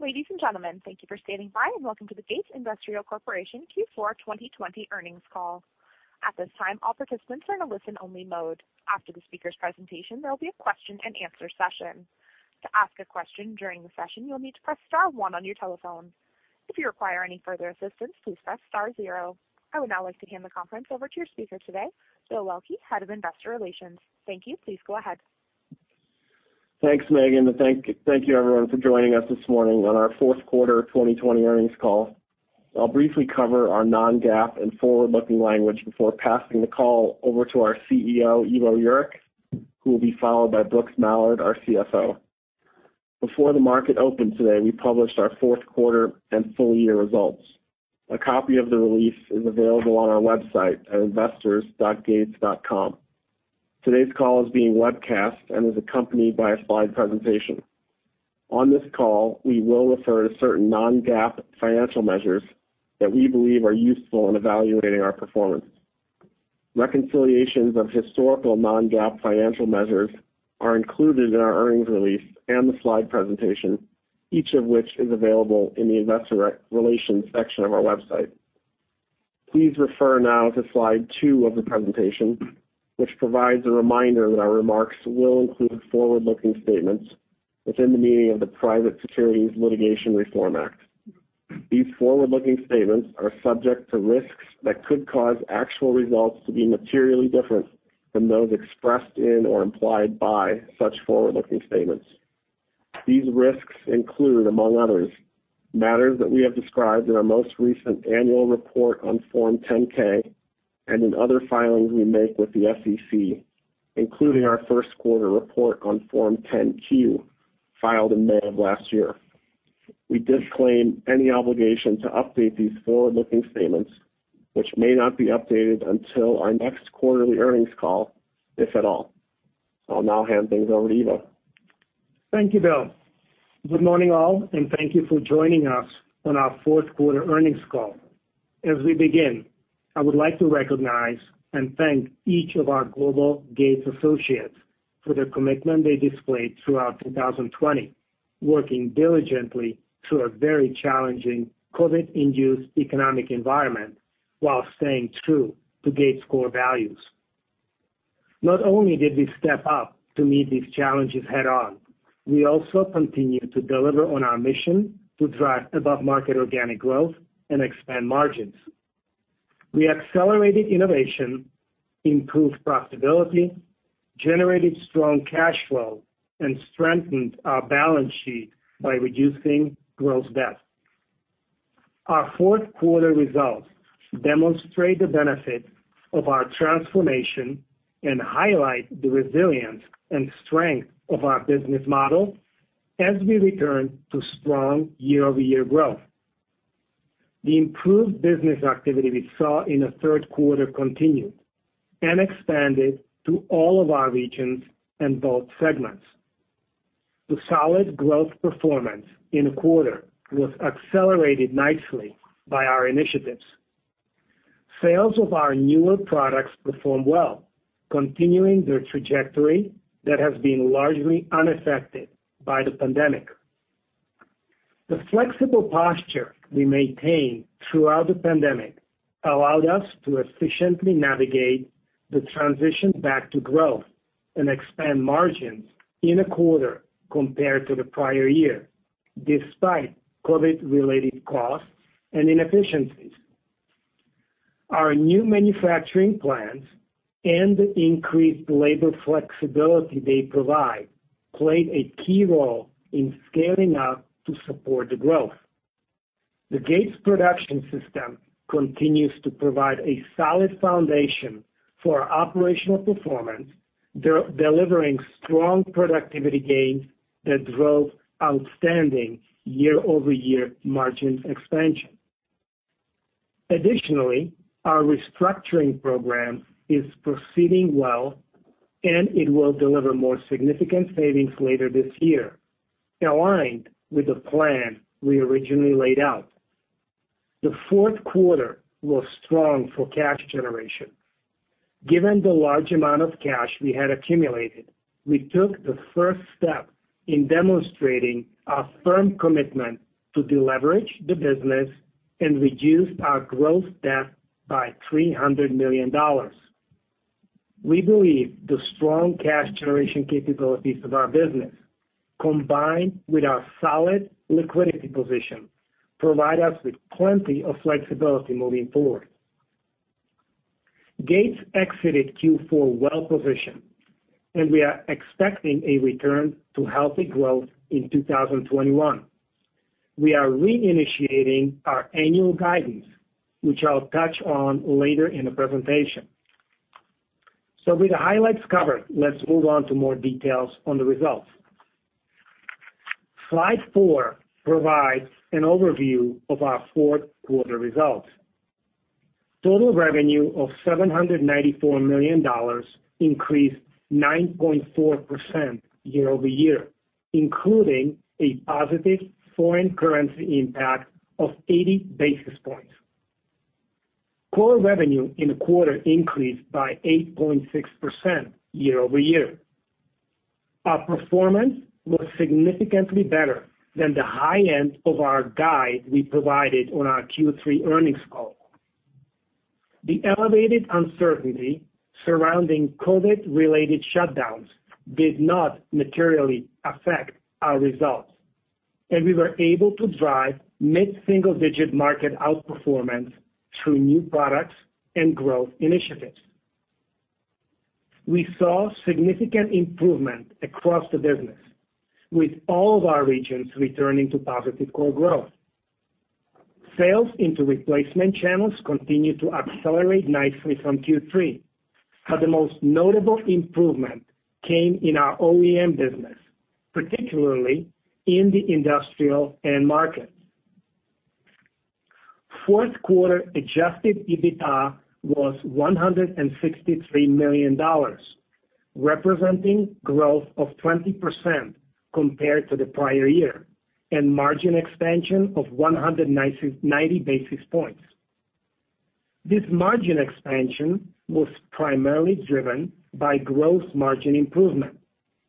Ladies and gentlemen, thank you for standing by and welcome to the Gates Industrial Corporation Q4 2020 earnings call. At this time, all participants are in a listen-only mode. After the speaker's presentation, there will be a question-and-answer session. To ask a question during the session, you'll need to press *one on your telephone. If you require any further assistance, please press *zero. I would now like to hand the conference over to your speaker today, Bill Waelke, Head of Investor Relations. Thank you. Please go ahead. Thanks, Megan. Thank you, everyone, for joining us this morning on our fourth quarter 2020 earnings call. I'll briefly cover our non-GAAP and forward-looking language before passing the call over to our CEO, Ivo Jurek, who will be followed by Brooks Mallard, our CFO. Before the market opened today, we published our fourth quarter and full-year results. A copy of the release is available on our website at investors.gates.com. Today's call is being webcast and is accompanied by a slide presentation. On this call, we will refer to certain non-GAAP financial measures that we believe are useful in evaluating our performance. Reconciliations of historical non-GAAP financial measures are included in our earnings release and the slide presentation, each of which is available in the investor relations section of our website. Please refer now to slide two of the presentation, which provides a reminder that our remarks will include forward-looking statements within the meaning of the Private Securities Litigation Reform Act. These forward-looking statements are subject to risks that could cause actual results to be materially different than those expressed in or implied by such forward-looking statements. These risks include, among others, matters that we have described in our most recent annual report on Form 10-K and in other filings we make with the SEC, including our first quarter report on Form 10-Q filed in May of last year. We disclaim any obligation to update these forward-looking statements, which may not be updated until our next quarterly earnings call, if at all. I'll now hand things over to Ivo. Thank you, Bill. Good morning, all, and thank you for joining us on our fourth quarter earnings call. As we begin, I would like to recognize and thank each of our global Gates associates for the commitment they displayed throughout 2020, working diligently through a very challenging COVID-induced economic environment while staying true to Gates' core values. Not only did we step up to meet these challenges head-on, we also continued to deliver on our mission to drive above-market organic growth and expand margins. We accelerated innovation, improved profitability, generated strong cash flow, and strengthened our balance sheet by reducing gross debt. Our fourth quarter results demonstrate the benefits of our transformation and highlight the resilience and strength of our business model as we return to strong year-over-year growth. The improved business activity we saw in the third quarter continued and expanded to all of our regions and both segments. The solid growth performance in the quarter was accelerated nicely by our initiatives. Sales of our newer products performed well, continuing their trajectory that has been largely unaffected by the pandemic. The flexible posture we maintained throughout the pandemic allowed us to efficiently navigate the transition back to growth and expand margins in a quarter compared to the prior year, despite COVID-related costs and inefficiencies. Our new manufacturing plans and the increased labor flexibility they provide played a key role in scaling up to support the growth. The Gates production system continues to provide a solid foundation for our operational performance, delivering strong productivity gains that drove outstanding year-over-year margins expansion. Additionally, our restructuring program is proceeding well, and it will deliver more significant savings later this year, aligned with the plan we originally laid out. The fourth quarter was strong for cash generation. Given the large amount of cash we had accumulated, we took the first step in demonstrating our firm commitment to deleverage the business and reduce our gross debt by $300 million. We believe the strong cash generation capabilities of our business, combined with our solid liquidity position, provide us with plenty of flexibility moving forward. Gates exited Q4 well-positioned, and we are expecting a return to healthy growth in 2021. We are reinitiating our annual guidance, which I'll touch on later in the presentation. With the highlights covered, let's move on to more details on the results. Slide four provides an overview of our fourth quarter results. Total revenue of $794 million increased 9.4% year-over-year, including a positive foreign currency impact of 80 basis points. Core revenue in the quarter increased by 8.6% year-over-year. Our performance was significantly better than the high end of our guide we provided on our Q3 earnings call. The elevated uncertainty surrounding COVID-related shutdowns did not materially affect our results, and we were able to drive mid-single-digit market outperformance through new products and growth initiatives. We saw significant improvement across the business, with all of our regions returning to positive core growth. Sales into replacement channels continued to accelerate nicely from Q3, but the most notable improvement came in our OEM business, particularly in the industrial end markets. Fourth quarter adjusted EBITDA was $163 million, representing growth of 20% compared to the prior year and margin expansion of 190 basis points. This margin expansion was primarily driven by gross margin improvement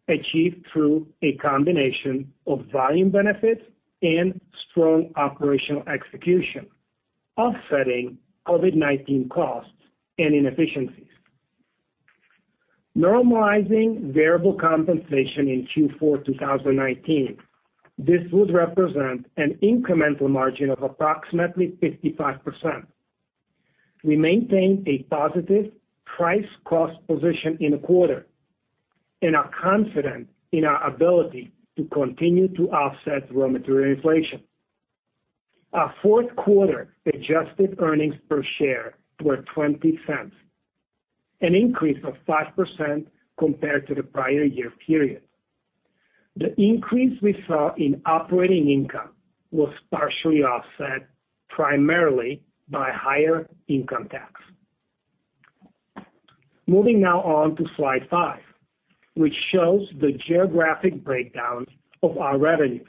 achieved through a combination of volume benefits and strong operational execution, offsetting COVID-19 costs and inefficiencies. Normalizing variable compensation in Q4 2019, this would represent an incremental margin of approximately 55%. We maintained a positive price-cost position in the quarter and are confident in our ability to continue to offset raw material inflation. Our fourth quarter adjusted earnings per share were $0.20, an increase of 5% compared to the prior year period. The increase we saw in operating income was partially offset, primarily by higher income tax. Moving now on to slide five, which shows the geographic breakdown of our revenues.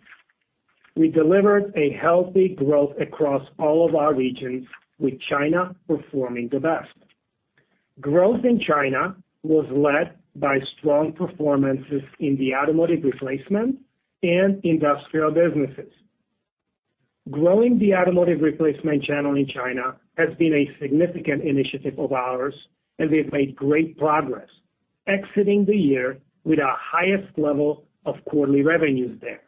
We delivered a healthy growth across all of our regions, with China performing the best. Growth in China was led by strong performances in the automotive replacement and industrial businesses. Growing the automotive replacement channel in China has been a significant initiative of ours, and we have made great progress, exiting the year with our highest level of quarterly revenues there.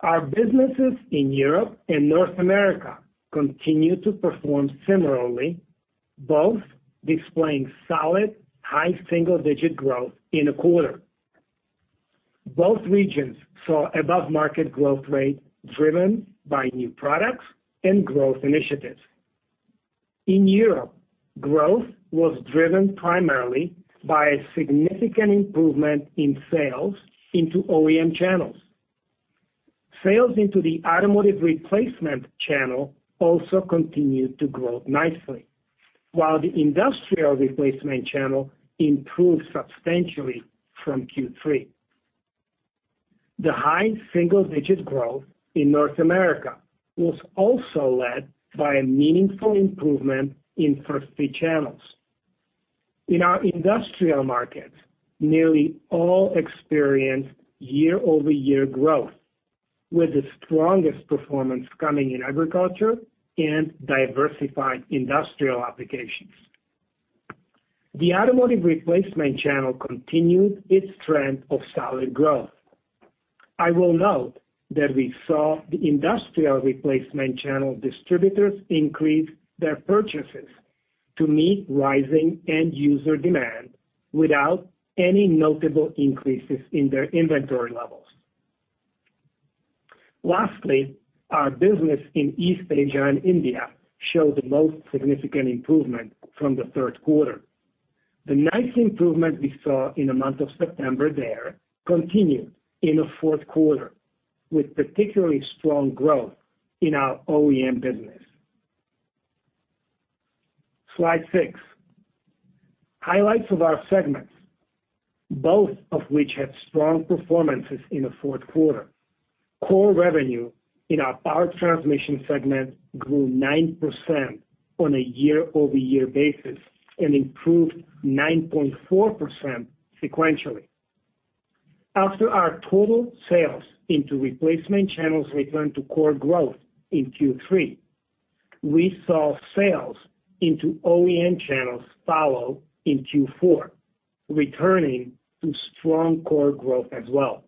Our businesses in Europe and North America continued to perform similarly, both displaying solid high single-digit growth in a quarter. Both regions saw above-market growth rate driven by new products and growth initiatives. In Europe, growth was driven primarily by a significant improvement in sales into OEM channels. Sales into the automotive replacement channel also continued to grow nicely, while the industrial replacement channel improved substantially from Q3. The high single-digit growth in North America was also led by a meaningful improvement in first-fit channels. In our industrial markets, nearly all experienced year-over-year growth, with the strongest performance coming in agriculture and diversified industrial applications. The automotive replacement channel continued its trend of solid growth. I will note that we saw the industrial replacement channel distributors increase their purchases to meet rising end-user demand without any notable increases in their inventory levels. Lastly, our business in East Asia and India showed the most significant improvement from the third quarter. The nice improvement we saw in the month of September there continued in the fourth quarter, with particularly strong growth in our OEM business. Slide six. Highlights of our segments, both of which had strong performances in the fourth quarter. Core revenue in our power transmission segment grew 9% on a year-over-year basis and improved 9.4% sequentially. After our total sales into replacement channels returned to core growth in Q3, we saw sales into OEM channels follow in Q4, returning to strong core growth as well.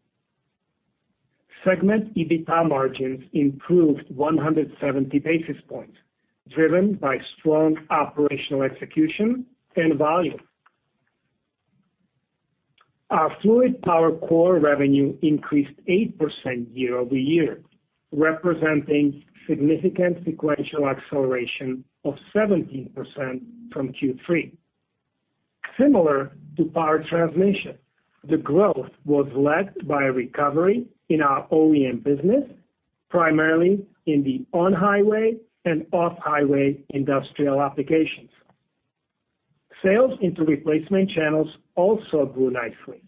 Segment EBITDA margins improved 170 basis points, driven by strong operational execution and volume. Our fluid power core revenue increased 8% year-over-year, representing significant sequential acceleration of 17% from Q3. Similar to power transmission, the growth was led by a recovery in our OEM business, primarily in the on-highway and off-highway industrial applications. Sales into replacement channels also grew nicely.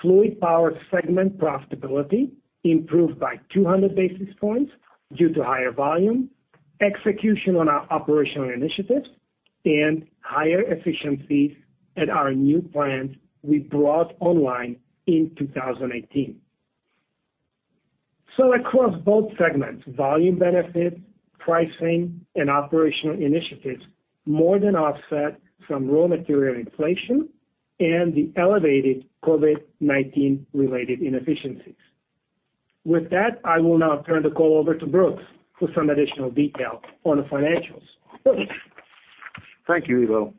Fluid power segment profitability improved by 200 basis points due to higher volume, execution on our operational initiatives, and higher efficiencies at our new plants we brought online in 2018. Across both segments, volume benefits, pricing, and operational initiatives more than offset from raw material inflation and the elevated COVID-19-related inefficiencies. With that, I will now turn the call over to Brooks for some additional detail on the financials. Thank you, Ivo.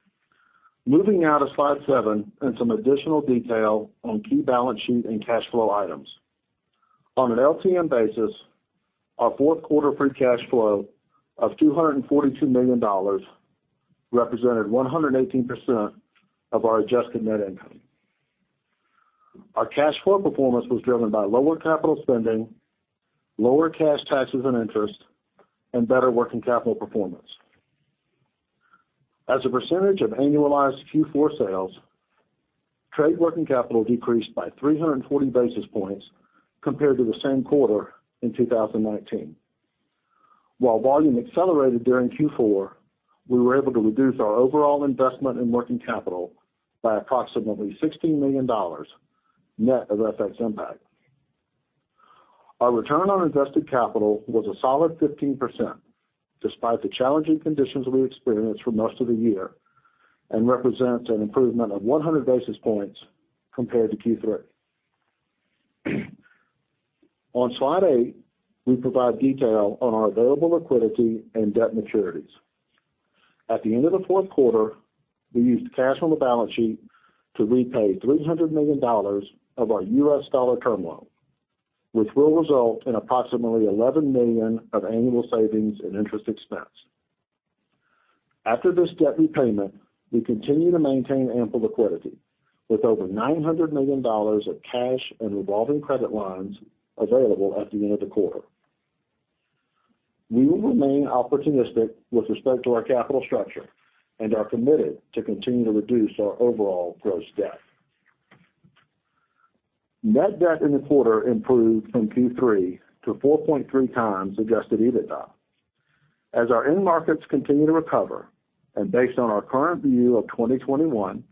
Moving now to slide seven and some additional detail on key balance sheet and cash flow items. On an LTM basis, our fourth quarter free cash flow of $242 million represented 118% of our adjusted net income. Our cash flow performance was driven by lower capital spending, lower cash taxes and interest, and better working capital performance. As a percentage of annualized Q4 sales, trade working capital decreased by 340 basis points compared to the same quarter in 2019. While volume accelerated during Q4, we were able to reduce our overall investment in working capital by approximately $16 million net of FX impact. Our return on invested capital was a solid 15%, despite the challenging conditions we experienced for most of the year, and represents an improvement of 100 basis points compared to Q3. On slide eight, we provide detail on our available liquidity and debt maturities. At the end of the fourth quarter, we used cash on the balance sheet to repay $300 million of our U.S. dollar term loan, which will result in approximately $11 million of annual savings in interest expense. After this debt repayment, we continue to maintain ample liquidity, with over $900 million of cash and revolving credit lines available at the end of the quarter. We will remain opportunistic with respect to our capital structure and are committed to continue to reduce our overall gross debt. Net debt in the quarter improved from Q3 to 4.3 times adjusted EBITDA. As our end markets continue to recover, and based on our current view of 2021,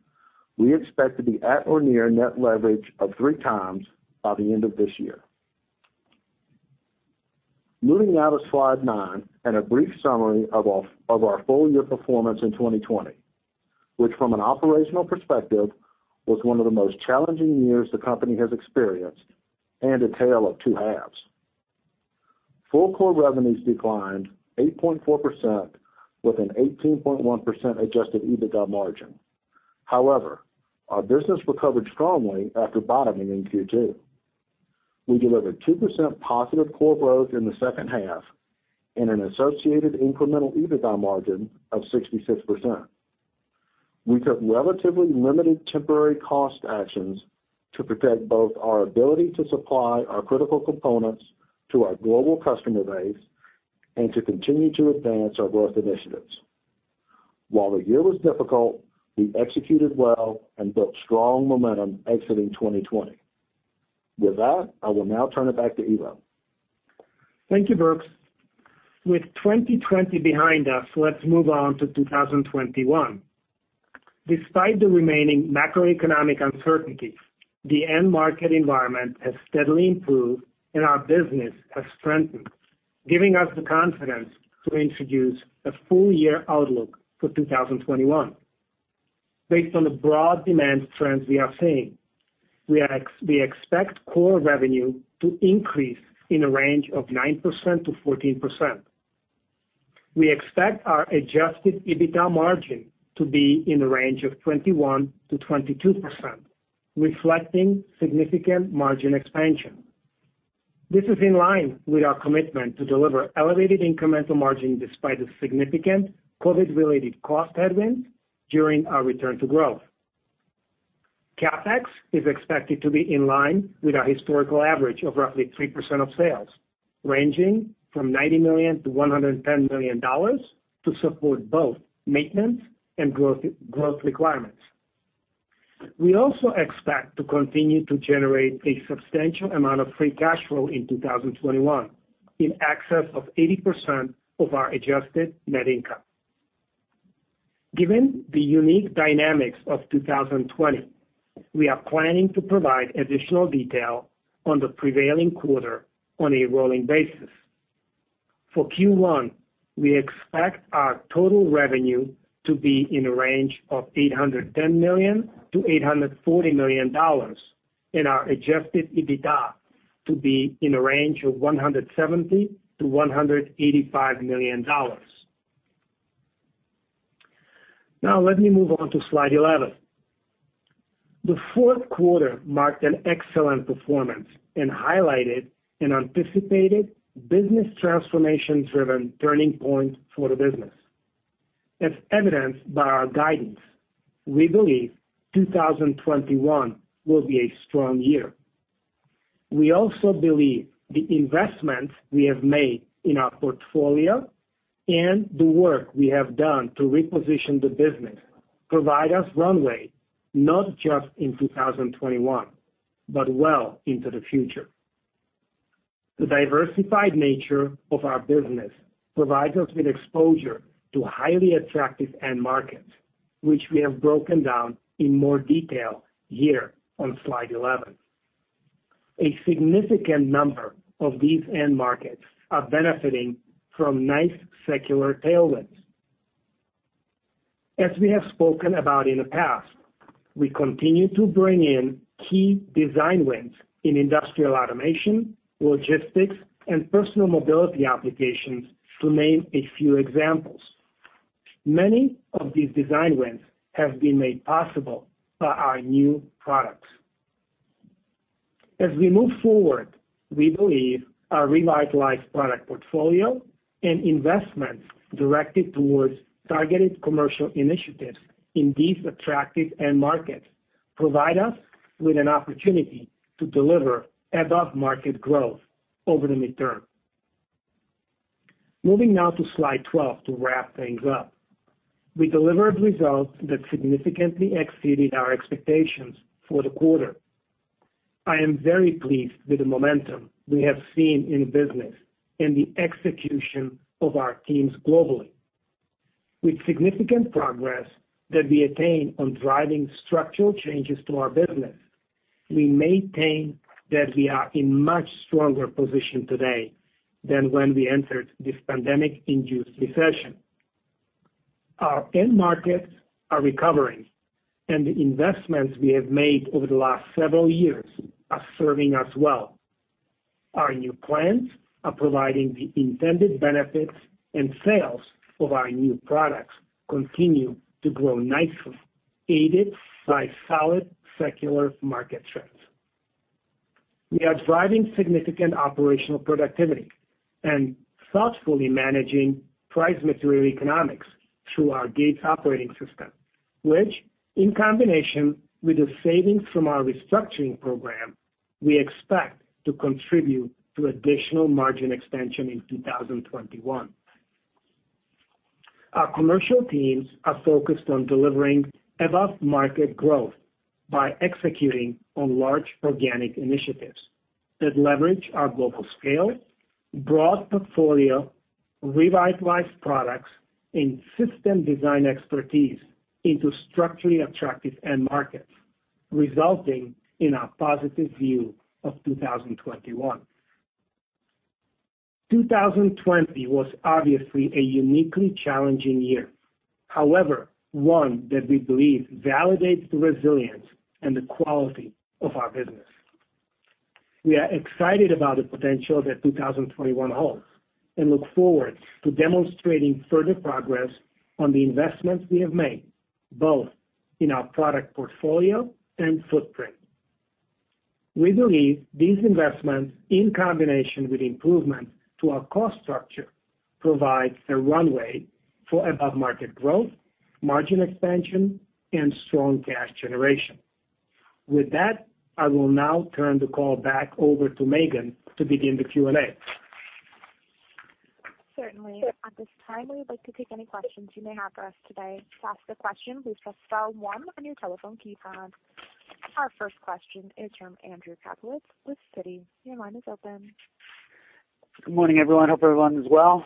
we expect to be at or near net leverage of three times by the end of this year. Moving now to slide nine and a brief summary of our full year performance in 2020, which, from an operational perspective, was one of the most challenging years the company has experienced and a tale of two halves. Full core revenues declined 8.4% with an 18.1% adjusted EBITDA margin. However, our business recovered strongly after bottoming in Q2. We delivered 2% positive core growth in the second half and an associated incremental EBITDA margin of 66%. We took relatively limited temporary cost actions to protect both our ability to supply our critical components to our global customer base and to continue to advance our growth initiatives. While the year was difficult, we executed well and built strong momentum exiting 2020. With that, I will now turn it back to Ivo. Thank you, Brooks. With 2020 behind us, let's move on to 2021. Despite the remaining macroeconomic uncertainties, the end market environment has steadily improved, and our business has strengthened, giving us the confidence to introduce a full year outlook for 2021. Based on the broad demand trends we are seeing, we expect core revenue to increase in a range of 9%-14%. We expect our adjusted EBITDA margin to be in the range of 21%-22%, reflecting significant margin expansion. This is in line with our commitment to deliver elevated incremental margin despite the significant COVID-related cost headwinds during our return to growth. CapEx is expected to be in line with our historical average of roughly 3% of sales, ranging from $90 million-$110 million to support both maintenance and growth requirements. We also expect to continue to generate a substantial amount of free cash flow in 2021 in excess of 80% of our adjusted net income. Given the unique dynamics of 2020, we are planning to provide additional detail on the prevailing quarter on a rolling basis. For Q1, we expect our total revenue to be in a range of $810 million-$840 million and our adjusted EBITDA to be in a range of $170 million-$185 million. Now, let me move on to slide 11. The fourth quarter marked an excellent performance and highlighted an anticipated business transformation-driven turning point for the business. As evidenced by our guidance, we believe 2021 will be a strong year. We also believe the investments we have made in our portfolio and the work we have done to reposition the business provide us runway not just in 2021, but well into the future. The diversified nature of our business provides us with exposure to highly attractive end markets, which we have broken down in more detail here on slide 11. A significant number of these end markets are benefiting from nice secular tailwinds. As we have spoken about in the past, we continue to bring in key design wins in industrial automation, logistics, and personal mobility applications, to name a few examples. Many of these design wins have been made possible by our new products. As we move forward, we believe our revitalized product portfolio and investments directed towards targeted commercial initiatives in these attractive end markets provide us with an opportunity to deliver above-market growth over the midterm. Moving now to slide 12 to wrap things up, we delivered results that significantly exceeded our expectations for the quarter. I am very pleased with the momentum we have seen in the business and the execution of our teams globally. With significant progress that we attained on driving structural changes to our business, we maintain that we are in a much stronger position today than when we entered this pandemic-induced recession. Our end markets are recovering, and the investments we have made over the last several years are serving us well. Our new plants are providing the intended benefits and sales of our new products continue to grow nicely, aided by solid secular market trends. We are driving significant operational productivity and thoughtfully managing price material economics through our Gates Operating System, which, in combination with the savings from our restructuring program, we expect to contribute to additional margin expansion in 2021. Our commercial teams are focused on delivering above-market growth by executing on large organic initiatives that leverage our global scale, broad portfolio, revitalized products, and system design expertise into structurally attractive end markets, resulting in our positive view of 2021. 2020 was obviously a uniquely challenging year, however, one that we believe validates the resilience and the quality of our business. We are excited about the potential that 2021 holds and look forward to demonstrating further progress on the investments we have made, both in our product portfolio and footprint. We believe these investments, in combination with improvements to our cost structure, provide a runway for above-market growth, margin expansion, and strong cash generation. With that, I will now turn the call back over to Megan to begin the Q&A. Certainly. At this time, we would like to take any questions you may have for us today. To ask a question, please press *one on your telephone keypad. Our first question is from Andrew Kaplowitz with Citi. Your line is open. Good morning, everyone. I hope everyone is well.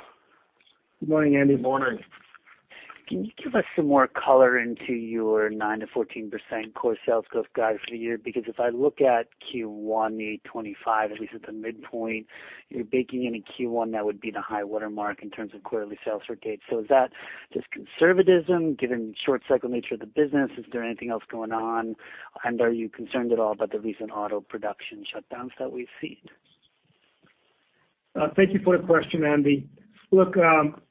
Good morning, Andy. Good morning. Can you give us some more color into your 9-14% core sales growth guide for the year? Because if I look at Q1, the 2025, at least at the midpoint, you're baking in a Q1 that would be the high watermark in terms of quarterly sales for Gates. Is that just conservatism given the short-cycle nature of the business? Is there anything else going on? Are you concerned at all about the recent auto production shutdowns that we've seen? Thank you for the question, Andy. Look,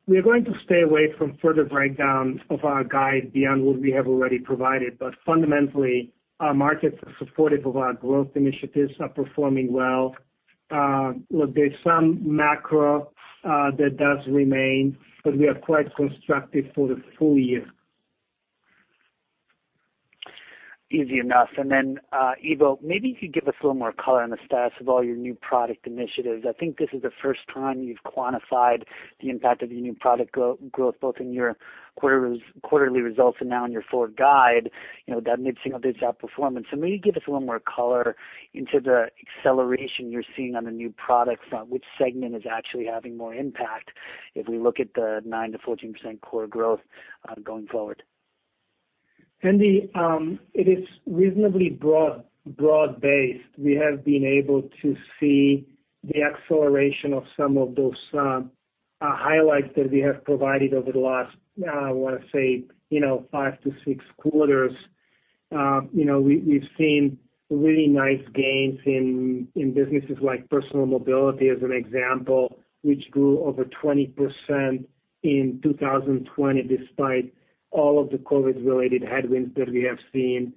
we are going to stay away from further breakdown of our guide beyond what we have already provided. Fundamentally, our markets are supportive of our growth initiatives, are performing well. Look, there's some macro that does remain, but we are quite constructive for the full year. Easy enough. Ivo, maybe you could give us a little more color on the status of all your new product initiatives. I think this is the first time you've quantified the impact of your new product growth, both in your quarterly results and now in your fourth guide, that mid-single digit outperformance. Maybe give us a little more color into the acceleration you're seeing on the new product front. Which segment is actually having more impact if we look at the 9-14% core growth going forward? Andy, it is reasonably broad-based. We have been able to see the acceleration of some of those highlights that we have provided over the last, I want to say, five to six quarters. We've seen really nice gains in businesses like personal mobility, as an example, which grew over 20% in 2020 despite all of the COVID-related headwinds that we have seen.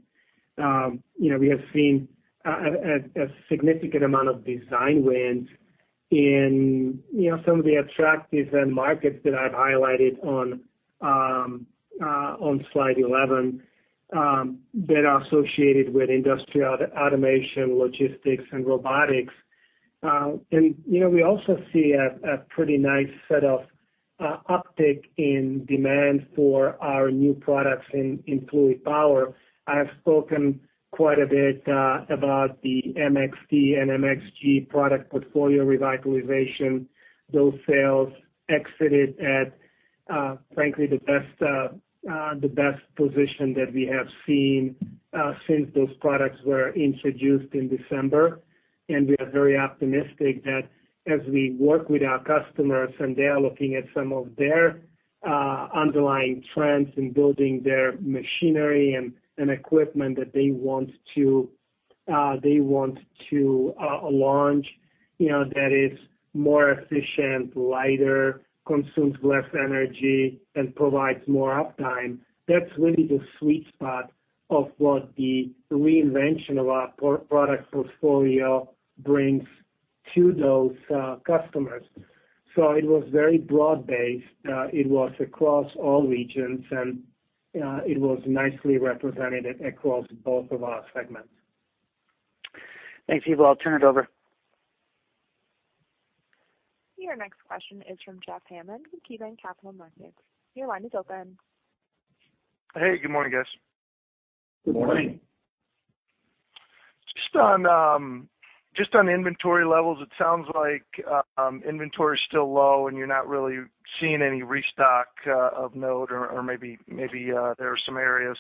We have seen a significant amount of design wins in some of the attractive end markets that I've highlighted on slide 11 that are associated with industrial automation, logistics, and robotics. We also see a pretty nice set of uptick in demand for our new products in fluid power. I have spoken quite a bit about the MXD and MXG product portfolio revitalization. Those sales exited at, frankly, the best position that we have seen since those products were introduced in December. We are very optimistic that as we work with our customers and they are looking at some of their underlying trends in building their machinery and equipment that they want to launch that is more efficient, lighter, consumes less energy, and provides more uptime, that's really the sweet spot of what the reinvention of our product portfolio brings to those customers. It was very broad-based. It was across all regions, and it was nicely represented across both of our segments. Thanks, Ivo. I'll turn it over. Your next question is from Jeff Hammond with KeyBanc Capital Markets. Your line is open. Hey, good morning, guys. Good morning. Just on inventory levels, it sounds like inventory is still low, and you're not really seeing any restock of note, or maybe there are some areas.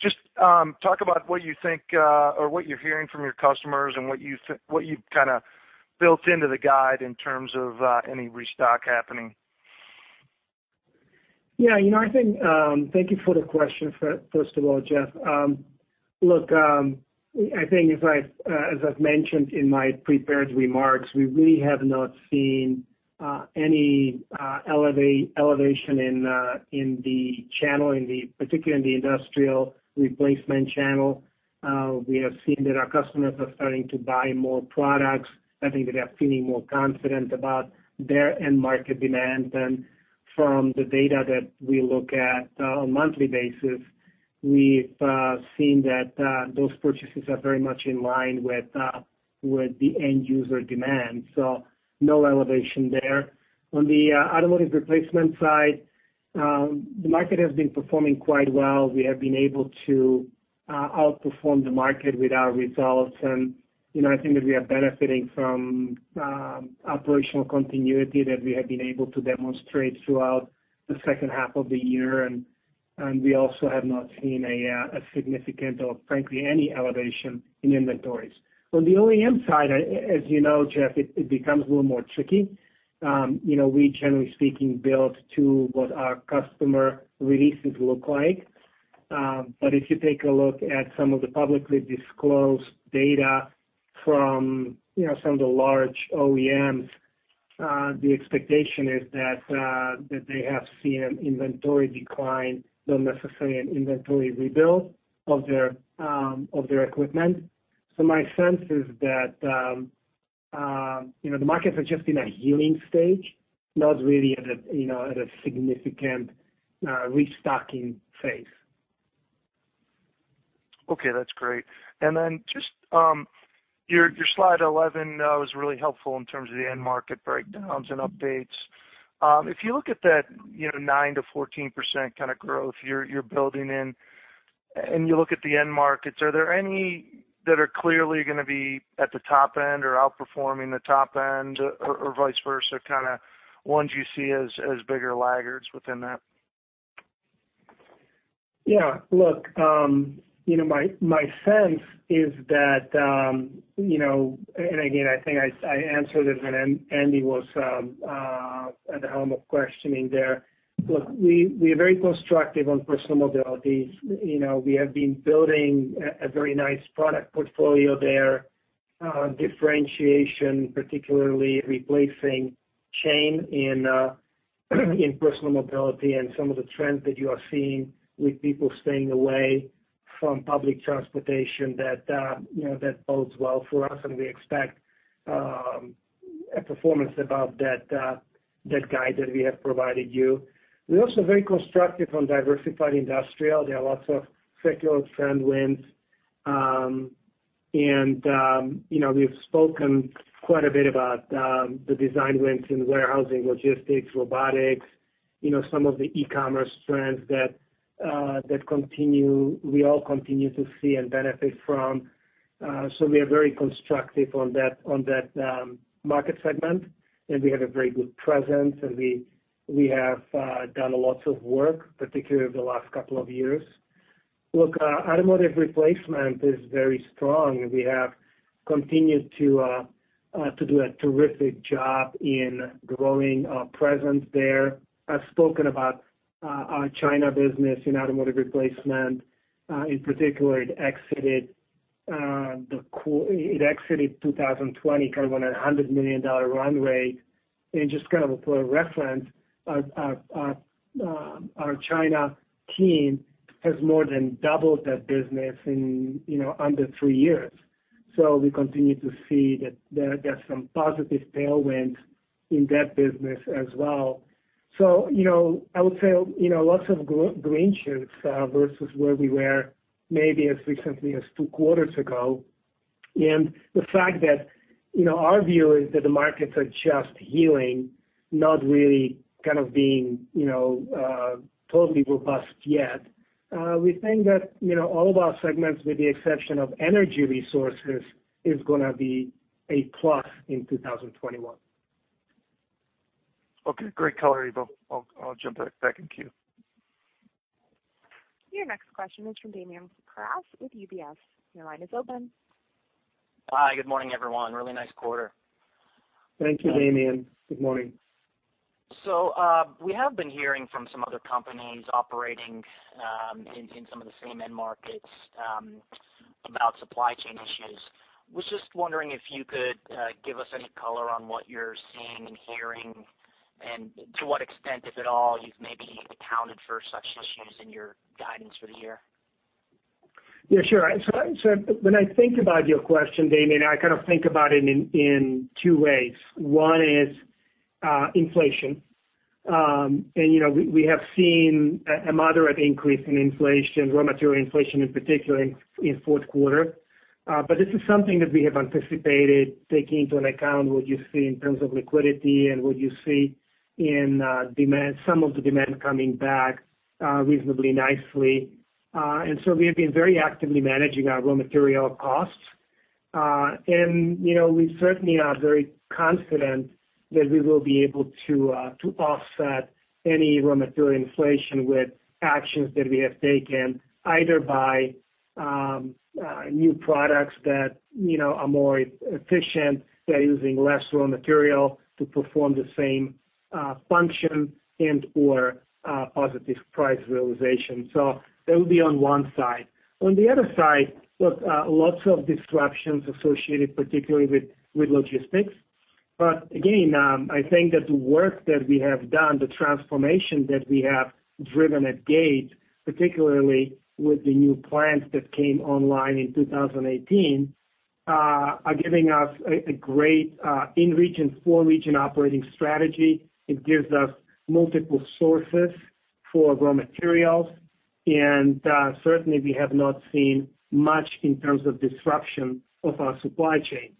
Just talk about what you think or what you're hearing from your customers and what you've kind of built into the guide in terms of any restock happening. Yeah. I think thank you for the question, first of all, Jeff. Look, I think as I've mentioned in my prepared remarks, we really have not seen any elevation in the channel, particularly in the industrial replacement channel. We have seen that our customers are starting to buy more products. I think that they are feeling more confident about their end market demand. From the data that we look at on a monthly basis, we've seen that those purchases are very much in line with the end user demand. No elevation there. On the automotive replacement side, the market has been performing quite well. We have been able to outperform the market with our results. I think that we are benefiting from operational continuity that we have been able to demonstrate throughout the second half of the year. We also have not seen a significant or, frankly, any elevation in inventories. On the OEM side, as you know, Jeff, it becomes a little more tricky. We, generally speaking, build to what our customer releases look like. If you take a look at some of the publicly disclosed data from some of the large OEMs, the expectation is that they have seen an inventory decline, not necessarily an inventory rebuild of their equipment. My sense is that the markets are just in a healing stage, not really at a significant restocking phase. Okay. That's great. Then just your slide 11 was really helpful in terms of the end market breakdowns and updates. If you look at that 9-14% kind of growth you're building in and you look at the end markets, are there any that are clearly going to be at the top end or outperforming the top end or vice versa, kind of ones you see as bigger laggards within that? Yeah. Look, my sense is that—I think I answered it, and Andy was at the helm of questioning there—look, we are very constructive on personal mobility. We have been building a very nice product portfolio there, differentiation, particularly replacing chain in personal mobility and some of the trends that you are seeing with people staying away from public transportation that bodes well for us. We expect a performance above that guide that we have provided you. We are also very constructive on diversified industrial. There are lots of secular trend wins. We have spoken quite a bit about the design wins in warehousing, logistics, robotics, some of the e-commerce trends that we all continue to see and benefit from. We are very constructive on that market segment. We have a very good presence. We have done lots of work, particularly over the last couple of years. Look, automotive replacement is very strong. We have continued to do a terrific job in growing our presence there. I have spoken about our China business in automotive replacement. In particular, it exited 2020, kind of on a $100 million run rate. Just kind of for reference, our China team has more than doubled that business in under three years. We continue to see that there are some positive tailwinds in that business as well. I would say lots of green shoots versus where we were maybe as recently as two quarters ago. The fact is that our view is that the markets are just healing, not really kind of being totally robust yet. We think that all of our segments, with the exception of energy resources, are going to be a plus in 2021. Okay. Great caller, Ivo. I'll jump back in queue. Your next question is from Damian Karas with UBS. Your line is open. Hi. Good morning, everyone. Really nice quarter. Thank you, Damien. Good morning. We have been hearing from some other companies operating in some of the same end markets about supply chain issues. I was just wondering if you could give us any color on what you're seeing and hearing and to what extent, if at all, you've maybe accounted for such issues in your guidance for the year. Yeah, sure. When I think about your question, Damien, I kind of think about it in two ways. One is inflation. We have seen a moderate increase in inflation, raw material inflation in particular, in fourth quarter. This is something that we have anticipated taking into account what you see in terms of liquidity and what you see in some of the demand coming back reasonably nicely. We have been very actively managing our raw material costs. We certainly are very confident that we will be able to offset any raw material inflation with actions that we have taken, either by new products that are more efficient, that are using less raw material to perform the same function, and/or positive price realization. That would be on one side. On the other side, look, lots of disruptions associated, particularly with logistics. Again, I think that the work that we have done, the transformation that we have driven at Gates, particularly with the new plants that came online in 2018, are giving us a great in-region, four-region operating strategy. It gives us multiple sources for raw materials. Certainly, we have not seen much in terms of disruption of our supply chain.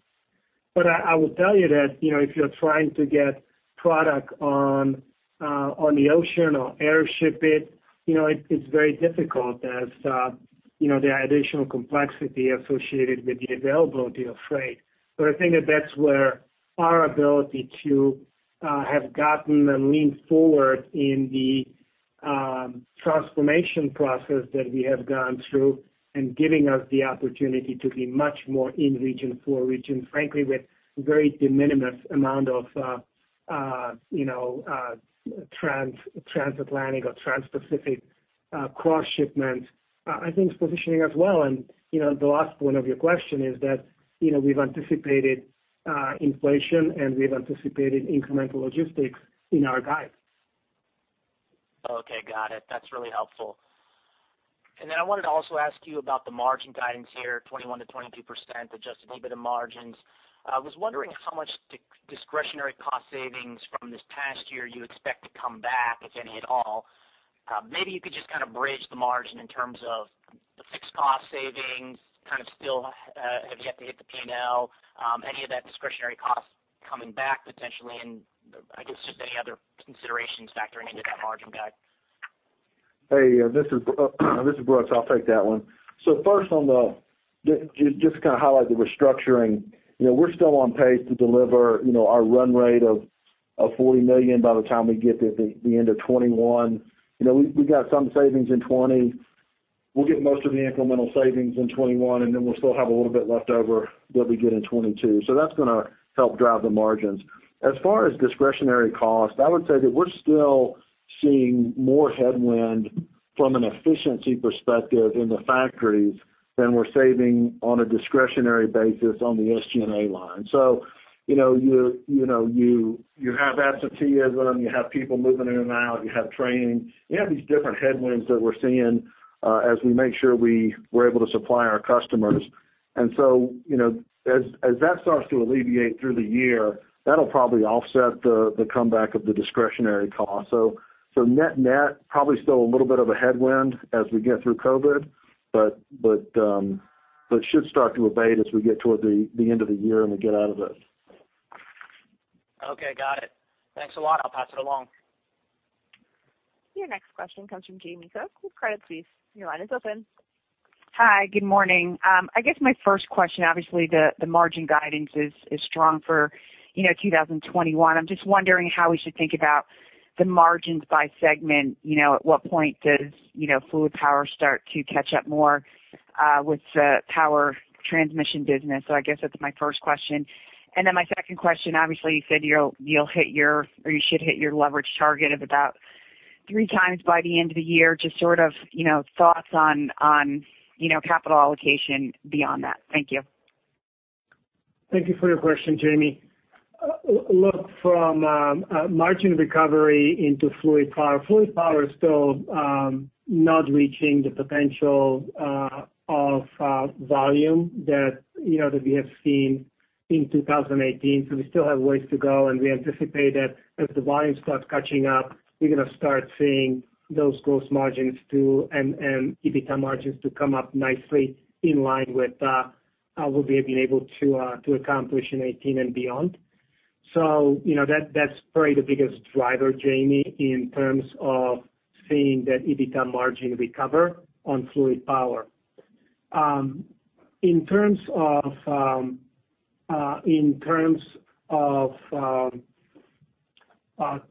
I will tell you that if you're trying to get product on the ocean or airship it, it's very difficult as there are additional complexity associated with the availability of freight. I think that that's where our ability to have gotten and leaned forward in the transformation process that we have gone through and giving us the opportunity to be much more in-region, four-region, frankly, with very de minimis amount of transatlantic or trans-Pacific cross-shipment, I think is positioning us well. The last point of your question is that we've anticipated inflation, and we've anticipated incremental logistics in our guide. Okay. Got it. That's really helpful. I wanted to also ask you about the margin guidance here, 21-22%, adjusted EBITDA margins. I was wondering how much discretionary cost savings from this past year you expect to come back, if any at all. Maybe you could just kind of bridge the margin in terms of the fixed cost savings, kind of still have yet to hit the P&L, any of that discretionary cost coming back potentially, and I guess just any other considerations factoring into that margin guide. Hey, this is Brooks. I'll take that one. First, just to kind of highlight the restructuring, we're still on pace to deliver our run rate of $40 million by the time we get to the end of 2021. We got some savings in 2020. We'll get most of the incremental savings in 2021, and then we'll still have a little bit left over that we get in 2022. That's going to help drive the margins. As far as discretionary cost, I would say that we're still seeing more headwind from an efficiency perspective in the factories than we're saving on a discretionary basis on the SG&A line. You have absenteeism. You have people moving in and out. You have training. You have these different headwinds that we're seeing as we make sure we're able to supply our customers. As that starts to alleviate through the year, that'll probably offset the comeback of the discretionary cost. Net-net, probably still a little bit of a headwind as we get through COVID, but should start to abate as we get toward the end of the year and we get out of this. Okay. Got it. Thanks a lot. I'll pass it along. Your next question comes from Jamie Cook with Credit Suisse. Your line is open. Hi. Good morning. I guess my first question, obviously, the margin guidance is strong for 2021. I'm just wondering how we should think about the margins by segment. At what point does fluid power start to catch up more with the power transmission business? I guess that's my first question. My second question, obviously, you said you'll hit your or you should hit your leverage target of about three times by the end of the year. Just sort of thoughts on capital allocation beyond that. Thank you. Thank you for your question, Jamie. Look, from margin recovery into fluid power, fluid power is still not reaching the potential of volume that we have seen in 2018. We still have ways to go. We anticipate that as the volume starts catching up, we're going to start seeing those gross margins too and EBITDA margins to come up nicely in line with what we have been able to accomplish in 2018 and beyond. That is probably the biggest driver, Jamie, in terms of seeing that EBITDA margin recover on fluid power. In terms of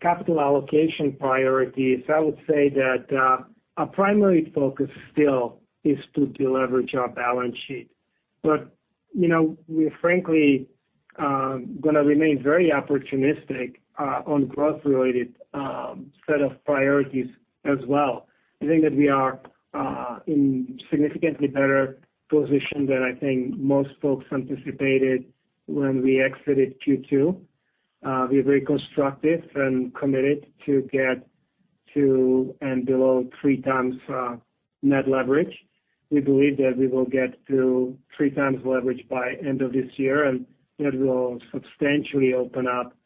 capital allocation priorities, I would say that our primary focus still is to deliver our balance sheet. We are, frankly, going to remain very opportunistic on growth-related set of priorities as well. I think that we are in significantly better position than I think most folks anticipated when we exited Q2. We are very constructive and committed to get to and below three times net leverage. We believe that we will get to three times leverage by end of this year. That will substantially open up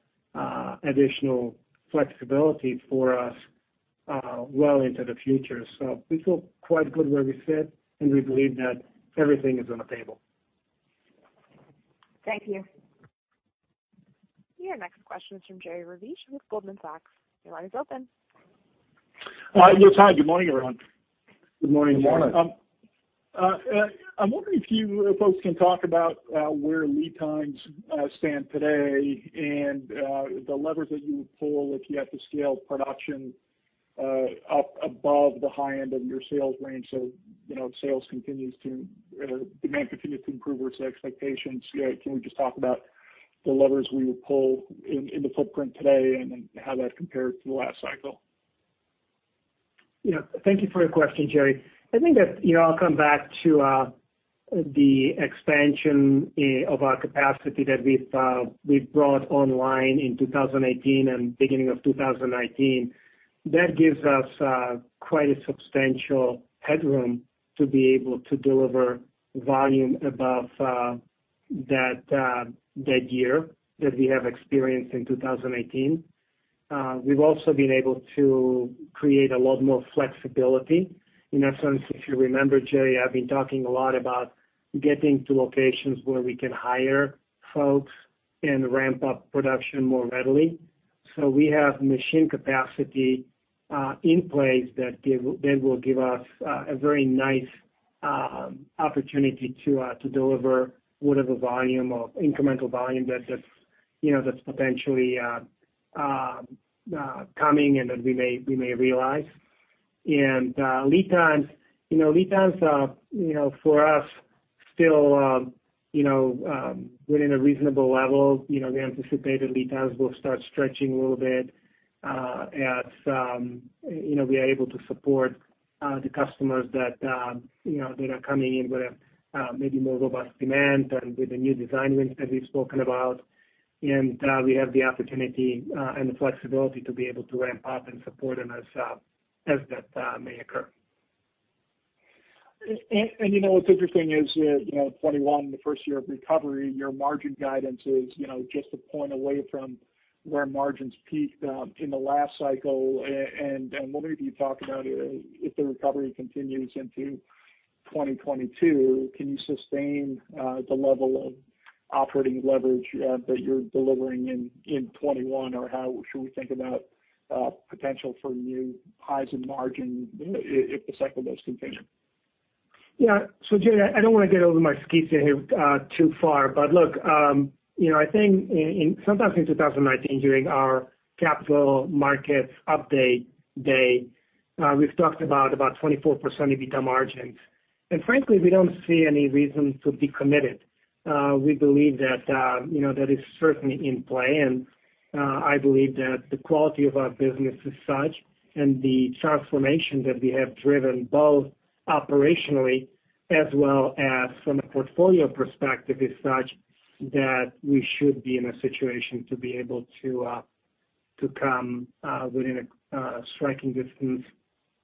additional flexibility for us well into the future. We feel quite good where we sit. We believe that everything is on the table. Thank you. Your next question is from Jerry Revich with Goldman Sachs. Your line is open. Yes, hi. Good morning, everyone. Good morning [Jerry]. Good morning. I'm wondering if you folks can talk about where lead times stand today and the levers that you would pull if you have to scale production up above the high end of your sales range, so sales continues to demand continues to improve versus expectations. Can we just talk about the levers we would pull in the footprint today and how that compares to the last cycle? Yeah. Thank you for your question, Jerry. I think that I'll come back to the expansion of our capacity that we've brought online in 2018 and beginning of 2019. That gives us quite a substantial headroom to be able to deliver volume above that year that we have experienced in 2018. We've also been able to create a lot more flexibility. In essence, if you remember, Jerry, I've been talking a lot about getting to locations where we can hire folks and ramp up production more readily. We have machine capacity in place that will give us a very nice opportunity to deliver whatever volume of incremental volume that's potentially coming and that we may realize. Lead times, lead times for us still within a reasonable level. We anticipated lead times will start stretching a little bit as we are able to support the customers that are coming in with maybe more robust demand and with the new design wins that we've spoken about. We have the opportunity and the flexibility to be able to ramp up and support them as that may occur. What's interesting is 2021, the first year of recovery, your margin guidance is just a point away from where margins peaked in the last cycle. I'm wondering if you talk about if the recovery continues into 2022, can you sustain the level of operating leverage that you're delivering in 2021, or how should we think about potential for new highs in margin if the cycle does continue? Yeah. Jerry, I don't want to get over my schizo here too far. Look, I think sometimes in 2019, during our capital market update day, we've talked about about 24% EBITDA margins. Frankly, we don't see any reason to be committed. We believe that that is certainly in play. I believe that the quality of our business is such and the transformation that we have driven both operationally as well as from a portfolio perspective is such that we should be in a situation to be able to come within a striking distance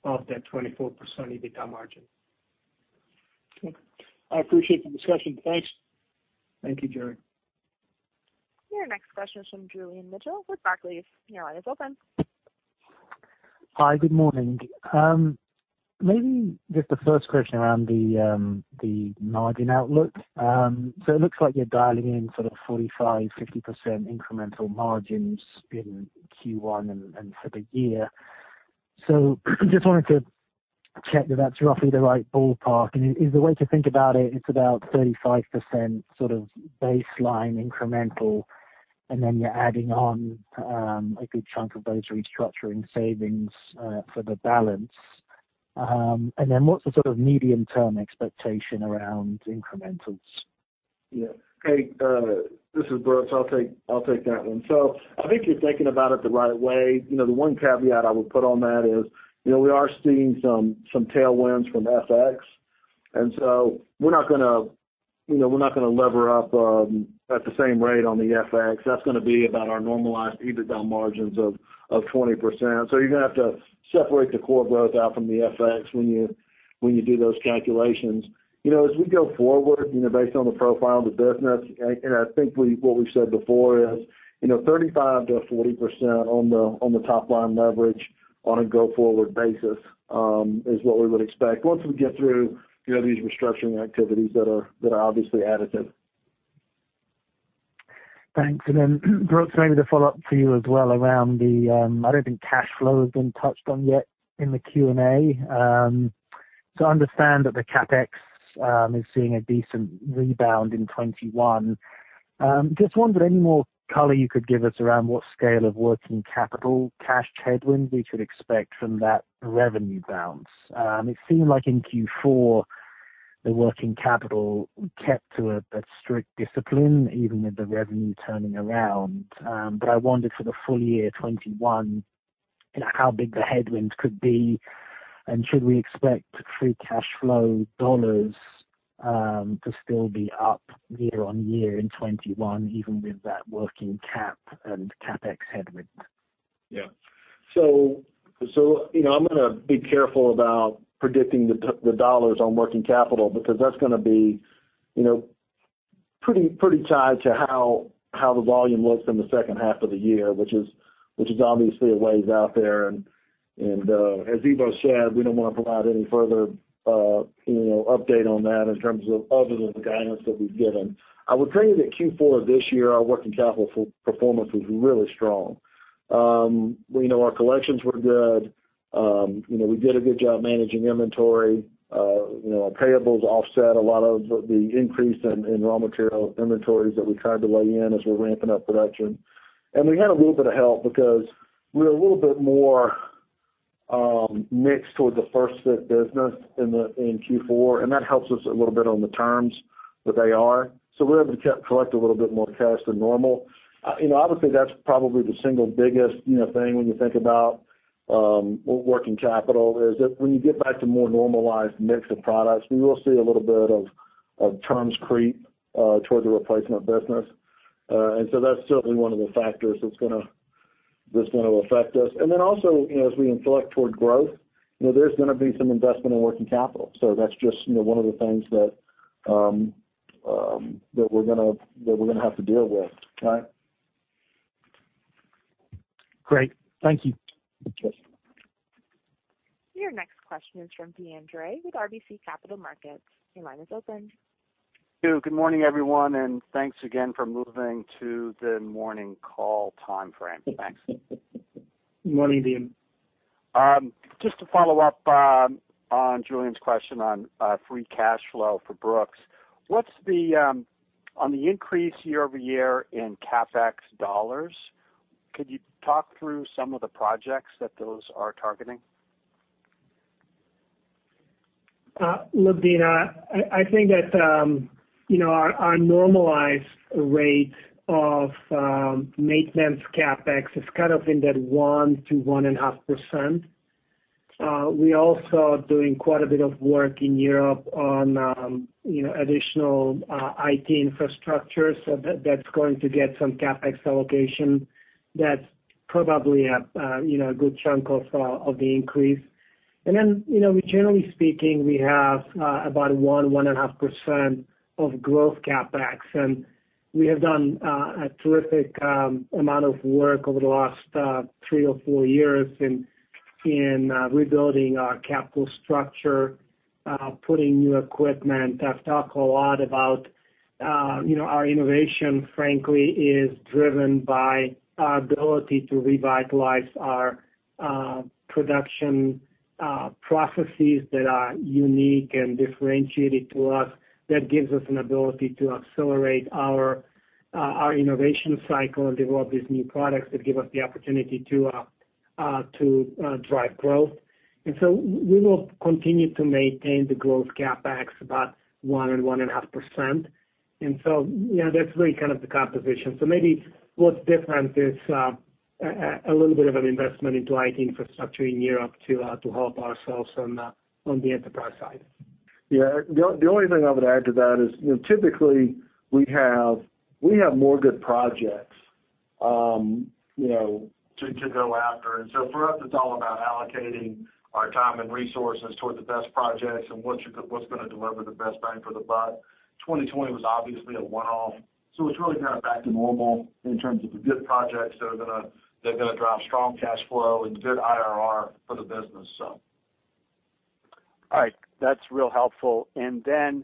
of that 24% EBITDA margin. Okay. I appreciate the discussion. Thanks. Thank you, Jerry. Your next question is from Julian Mitchell with Barclays. Your line is open. Hi. Good morning. Maybe just the first question around the margin outlook. It looks like you're dialing in sort of 45-50% incremental margins in Q1 and for the year. I just wanted to check that that's roughly the right ballpark. The way to think about it, it's about 35% sort of baseline incremental, and then you're adding on a good chunk of those restructuring savings for the balance. What's the sort of medium-term expectation around incrementals? Yeah. Hey, this is Brooks. I'll take that one. I think you're thinking about it the right way. The one caveat I would put on that is we are seeing some tailwinds from FX. We're not going to lever up at the same rate on the FX. That's going to be about our normalized EBITDA margins of 20%. You're going to have to separate the core growth out from the FX when you do those calculations. As we go forward, based on the profile of the business, and I think what we said before is 35%-40% on the top-line leverage on a go-forward basis is what we would expect once we get through these restructuring activities that are obviously additive. Thanks. Brooks, maybe to follow up to you as well around the I do not think cash flow has been touched on yet in the Q&A. I understand that the CapEx is seeing a decent rebound in 2021. I just wondered any more color you could give us around what scale of working capital cash headwinds we should expect from that revenue bounce. It seemed like in Q4, the working capital kept to a strict discipline, even with the revenue turning around. I wondered for the full year, 2021, how big the headwinds could be, and should we expect free cash flow dollars to still be up year on year in 2021, even with that working cap and CapEx headwind? Yeah. I'm going to be careful about predicting the dollars on working capital because that's going to be pretty tied to how the volume looks in the second half of the year, which is obviously a ways out there. As Ivo said, we don't want to provide any further update on that in terms of other than the guidance that we've given. I would tell you that Q4 of this year, our working capital performance was really strong. Our collections were good. We did a good job managing inventory. Our payables offset a lot of the increase in raw material inventories that we tried to lay in as we're ramping up production. We had a little bit of help because we're a little bit more mixed toward the first-fit business in Q4. That helps us a little bit on the terms that they are. We're able to collect a little bit more cash than normal. I would say that's probably the single biggest thing when you think about working capital is that when you get back to more normalized mix of products, we will see a little bit of terms creep toward the replacement business. That's certainly one of the factors that's going to affect us. Also, as we inflect toward growth, there's going to be some investment in working capital. That's just one of the things that we're going to have to deal with, right? Great. Thank you. Yes. Your next question is from Deane Dray with RBC Capital Markets. Your line is open. Good morning, everyone. Thanks again for moving to the morning call timeframe. Thanks. Good morning, Deane. Just to follow up on Julian's question on free cash flow for Brooks, on the increase year over year in CapEx dollars, could you talk through some of the projects that those are targeting? Look, Deane, I think that our normalized rate of maintenance CapEx is kind of in that 1-1.5%. We're also doing quite a bit of work in Europe on additional IT infrastructure. That's going to get some CapEx allocation that's probably a good chunk of the increase. Generally speaking, we have about 1-1.5% of growth CapEx. We have done a terrific amount of work over the last three or four years in rebuilding our capital structure, putting new equipment. I've talked a lot about our innovation, frankly, is driven by our ability to revitalize our production processes that are unique and differentiated to us. That gives us an ability to accelerate our innovation cycle and develop these new products that give us the opportunity to drive growth. We will continue to maintain the growth CapEx about 1-1.5%. That's really kind of the composition. Maybe what's different is a little bit of an investment into IT infrastructure in Europe to help ourselves on the enterprise side. Yeah. The only thing I would add to that is typically we have more good projects to go after. For us, it's all about allocating our time and resources toward the best projects and what's going to deliver the best bang for the buck. 2020 was obviously a one-off. It's really kind of back to normal in terms of the good projects that are going to drive strong cash flow and good IRR for the business. All right. That's real helpful. Evo,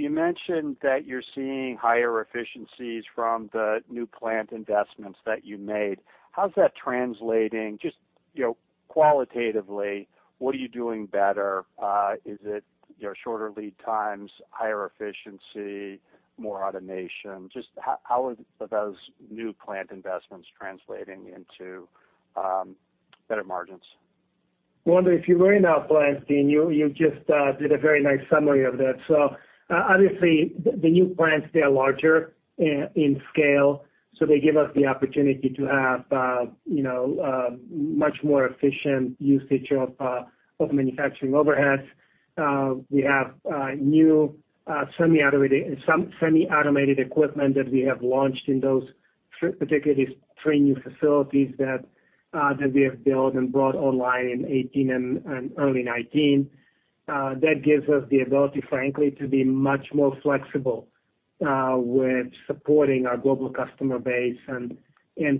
you mentioned that you're seeing higher efficiencies from the new plant investments that you made. How's that translating just qualitatively? What are you doing better? Is it shorter lead times, higher efficiency, more automation? Just how are those new plant investments translating into better margins? If you're worried about plants, Dean, you just did a very nice summary of that. Obviously, the new plants, they are larger in scale. They give us the opportunity to have much more efficient usage of manufacturing overheads. We have new semi-automated equipment that we have launched in those particularly three new facilities that we have built and brought online in 2018 and early 2019. That gives us the ability, frankly, to be much more flexible with supporting our global customer base and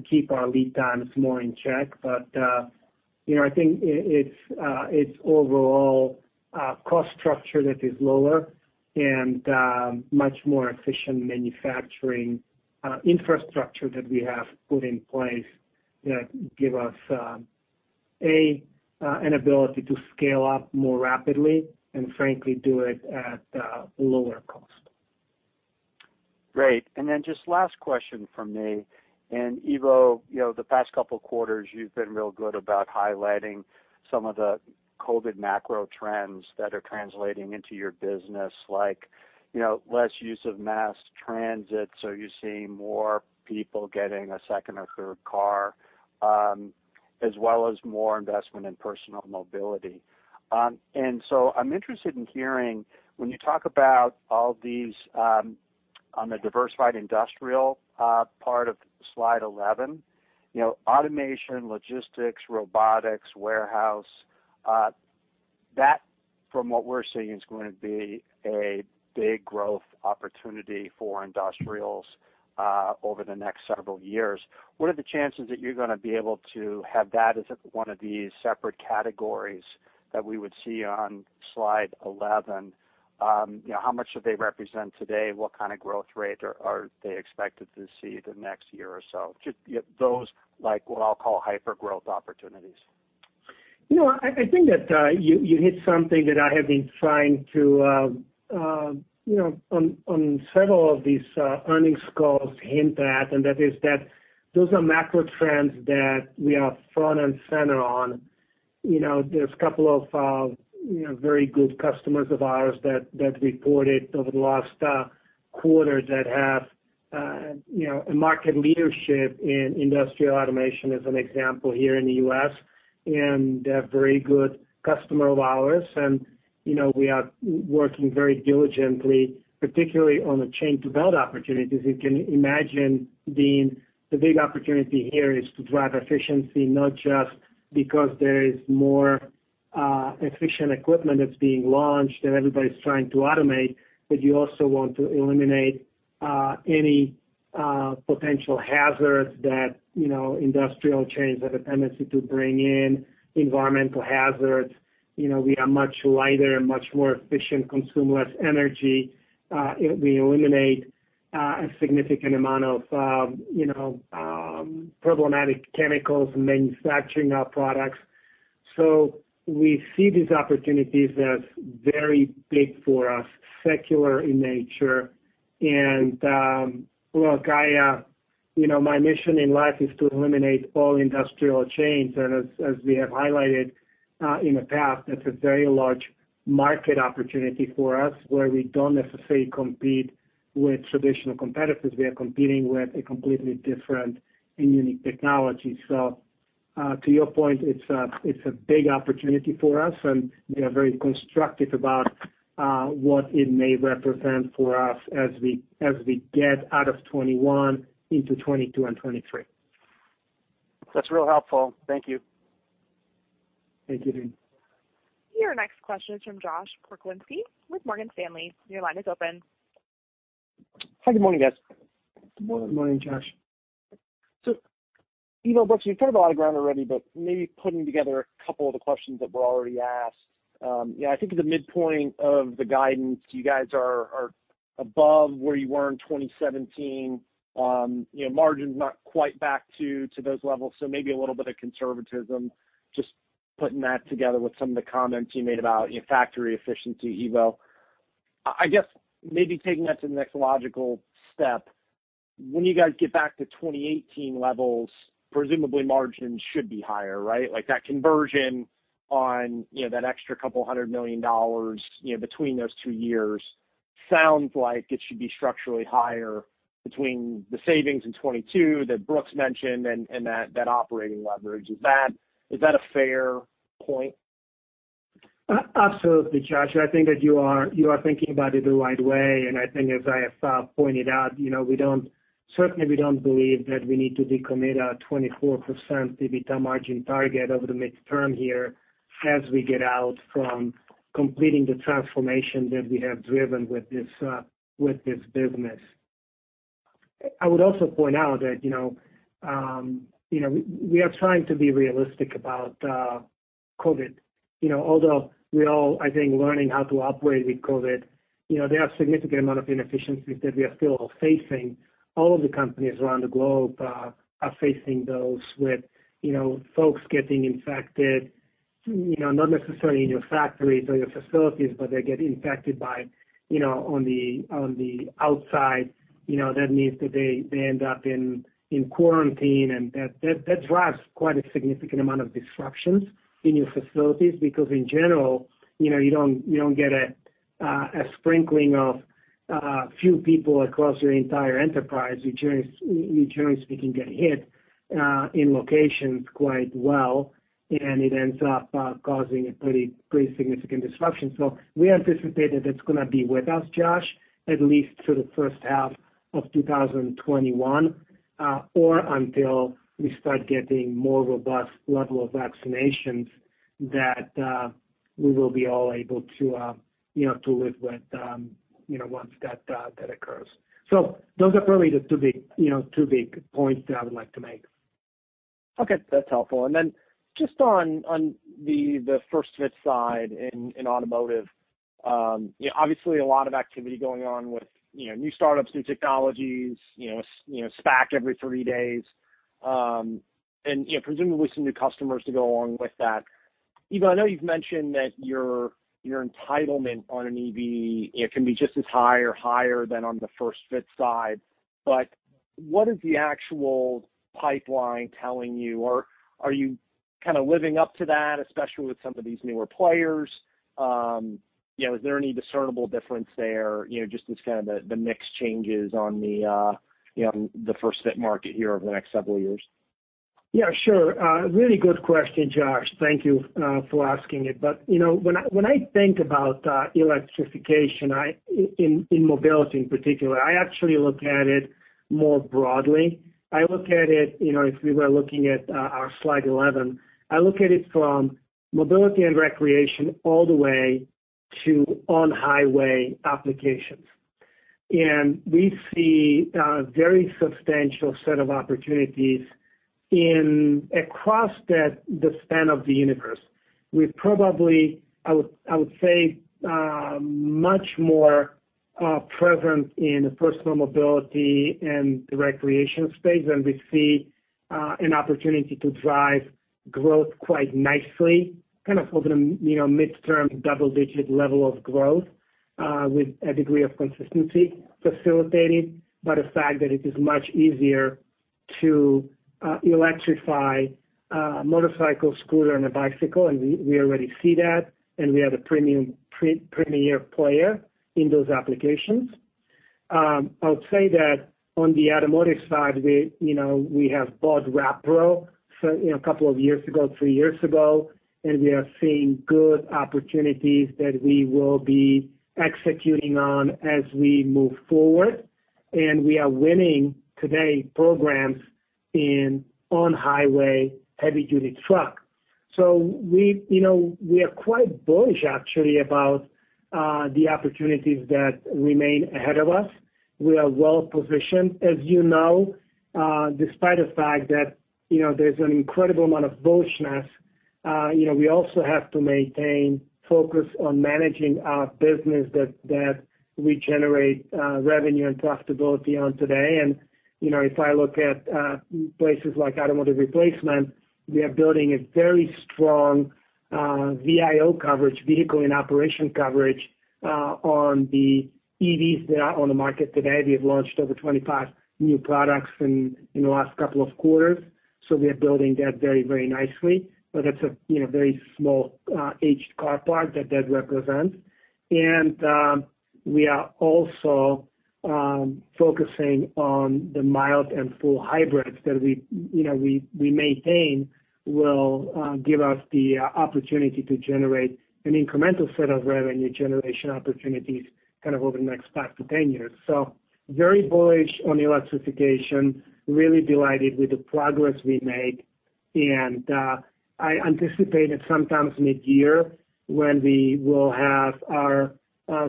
keep our lead times more in check. I think it's overall cost structure that is lower and much more efficient manufacturing infrastructure that we have put in place that give us, A, an ability to scale up more rapidly and, frankly, do it at lower cost. Great. Just last question for me. Ivo, the past couple of quarters, you've been real good about highlighting some of the COVID macro trends that are translating into your business, like less use of mass transit. You're seeing more people getting a second or third car, as well as more investment in personal mobility. I'm interested in hearing, when you talk about all these on the diversified industrial part of slide 11, automation, logistics, robotics, warehouse, that, from what we're seeing, is going to be a big growth opportunity for industrials over the next several years. What are the chances that you're going to be able to have that as one of these separate categories that we would see on slide 11? How much do they represent today? What kind of growth rate are they expected to see the next year or so? Just those what I'll call hyper-growth opportunities. I think that you hit something that I have been trying to on several of these earnings calls hint at, and that is that those are macro trends that we are front and center on. There are a couple of very good customers of ours that reported over the last quarter that have a market leadership in industrial automation, as an example, here in the U.S., and a very good customer of ours. We are working very diligently, particularly on the chain-to-belt opportunities. You can imagine, Deane, the big opportunity here is to drive efficiency, not just because there is more efficient equipment that's being launched and everybody's trying to automate, but you also want to eliminate any potential hazards that industrial chains have a tendency to bring in, environmental hazards. We are much lighter and much more efficient, consume less energy. We eliminate a significant amount of problematic chemicals in manufacturing our products. We see these opportunities as very big for us, secular in nature. Look, my mission in life is to eliminate all industrial chains. As we have highlighted in the past, that is a very large market opportunity for us where we do not necessarily compete with traditional competitors. We are competing with a completely different and unique technology. To your point, it is a big opportunity for us. They are very constructive about what it may represent for us as we get out of 2021 into 2022 and 2023. That's real helpful. Thank you. Thank you, Deane. Your next question is from Josh Pokrzywinski with Morgan Stanley. Your line is open. Hi, good morning, guys. Good morning, Josh. Ivo, Brooks, you've covered a lot of ground already, but maybe putting together a couple of the questions that were already asked. I think at the midpoint of the guidance, you guys are above where you were in 2017. Margin's not quite back to those levels. Maybe a little bit of conservatism, just putting that together with some of the comments you made about factory efficiency, Ivo. I guess maybe taking that to the next logical step, when you guys get back to 2018 levels, presumably margins should be higher, right? That conversion on that extra couple hundred million dollars between those two years sounds like it should be structurally higher between the savings in 2022 that Brooks mentioned and that operating leverage. Is that a fair point? Absolutely, Josh. I think that you are thinking about it the right way. I think, as I have pointed out, certainly we do not believe that we need to decommit our 24% EBITDA margin target over the midterm here as we get out from completing the transformation that we have driven with this business. I would also point out that we are trying to be realistic about COVID. Although we are all, I think, learning how to operate with COVID, there are a significant amount of inefficiencies that we are still facing. All of the companies around the globe are facing those with folks getting infected, not necessarily in your factories or your facilities, but they get infected on the outside. That means that they end up in quarantine. That drives quite a significant amount of disruptions in your facilities because, in general, you do not get a sprinkling of few people across your entire enterprise. You generally speaking get hit in locations quite well, and it ends up causing a pretty significant disruption. We anticipate that is going to be with us, Josh, at least through the first half of 2021 or until we start getting more robust level of vaccinations that we will be all able to live with once that occurs. Those are probably the two big points that I would like to make. Okay. That's helpful. Then just on the first-fit side in automotive, obviously, a lot of activity going on with new startups, new technologies, SPAC every three days, and presumably some new customers to go along with that. Ivo, I know you've mentioned that your entitlement on an EV can be just as high or higher than on the first-fit side. What is the actual pipeline telling you? Are you kind of living up to that, especially with some of these newer players? Is there any discernible difference there, just as kind of the mix changes on the first-fit market here over the next several years? Yeah, sure. Really good question, Josh. Thank you for asking it. When I think about electrification in mobility in particular, I actually look at it more broadly. I look at it if we were looking at our slide 11, I look at it from mobility and recreation all the way to on-highway applications. We see a very substantial set of opportunities across the span of the universe. We're probably, I would say, much more present in the personal mobility and the recreation space. We see an opportunity to drive growth quite nicely, kind of over the midterm double-digit level of growth with a degree of consistency facilitated by the fact that it is much easier to electrify a motorcycle, scooter, and a bicycle. We already see that. We are the premier player in those applications. I would say that on the automotive side, we have bought Rapro a couple of years ago, three years ago. We are seeing good opportunities that we will be executing on as we move forward. We are winning today programs in on-highway heavy-duty truck. We are quite bullish, actually, about the opportunities that remain ahead of us. We are well-positioned. As you know, despite the fact that there's an incredible amount of bullishness, we also have to maintain focus on managing our business that we generate revenue and profitability on today. If I look at places like Automotive Replacement, we are building a very strong VIO coverage, vehicle in operation coverage on the EVs that are on the market today. We have launched over 25 new products in the last couple of quarters. We are building that very, very nicely. That is a very small-aged car park that that represents. We are also focusing on the mild and full hybrids that we maintain will give us the opportunity to generate an incremental set of revenue generation opportunities kind of over the next 5-10 years. Very bullish on electrification, really delighted with the progress we make. I anticipate that sometime midyear, when we will have our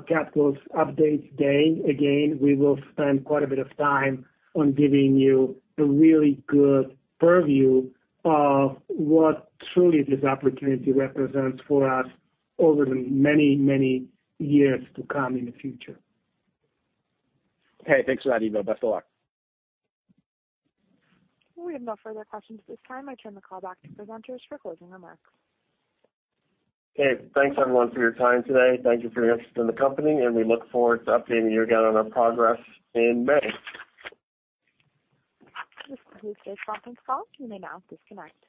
capital updates day again, we will spend quite a bit of time on giving you a really good purview of what truly this opportunity represents for us over the many, many years to come in the future. Okay. Thanks for that, Ivo. Best of luck. We have no further questions at this time. I turn the call back to presenters for closing remarks. Okay. Thanks, everyone, for your time today. Thank you for your interest in the company. We look forward to updating you again on our progress in May. This concludes today's conference call. You may now disconnect.